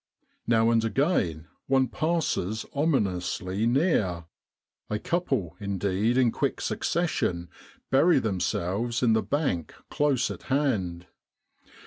Now and again one passes ominously near a couple indeed in quick succession bury them selves in the bank close at hand.